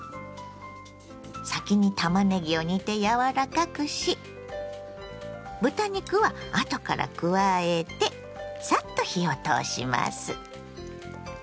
先にたまねぎを煮て柔らかくし豚肉は後から加えてサッと火を通します。